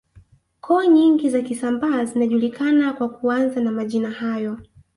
Koo nyingi za Kisambaa zinajulikana kwa kuanza na majina hayo